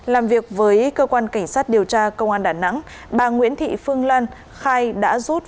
làm việc với cơ quan cảnh sát điều tra công an đà nẵng bà nguyễn thị phương lan khai đã rút